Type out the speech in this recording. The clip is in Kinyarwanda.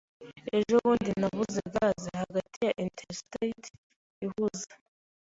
Ejobundi nabuze gaze hagati ya Interstate ihuze.